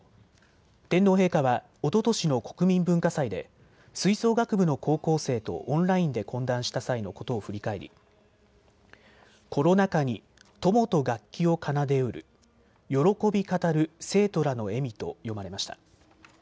天皇陛下はおととしの国民文化祭で吹奏楽部の高校生とオンラインで懇談した際のことを振り返りコロナ禍に友と楽器を奏でうる喜び語る生徒らの笑みと詠まれました。